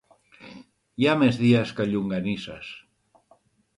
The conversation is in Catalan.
Hi ha més dies que llonganisses.